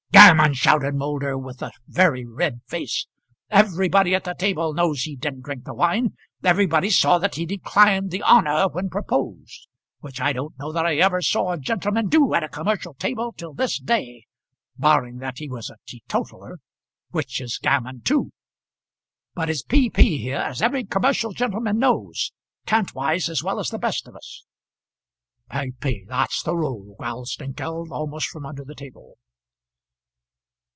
"Gammon!" shouted Moulder, with a very red face. "Everybody at the table knows he didn't drink the wine. Everybody saw that he declined the honour when proposed, which I don't know that I ever saw a gentleman do at a commercial table till this day, barring that he was a teetotaller, which is gammon too. But its P.P. here, as every commercial gentleman knows, Kantwise as well as the best of us." "P.P., that's the rule," growled Snengkeld, almost from under the table.